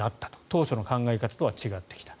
当初の考え方とは違ってきた。